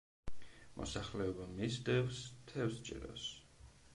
მოსახლეობა მისდევს თევზჭერას.